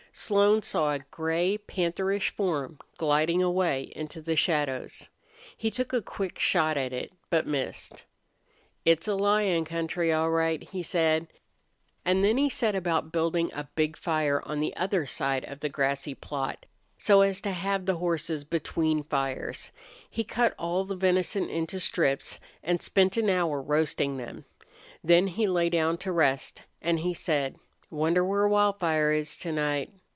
Slone saw a gray, pantherish form gliding away into the shadows. He took a quick shot at it, but missed. "It's a lion country, all right," he said. And then he set about building a big fire on the other side of the grassy plot, so as to have the horses between fires. He cut all the venison into thin strips, and spent an hour roasting them. Then he lay down to rest, and he said: "Wonder where Wildfire is to night?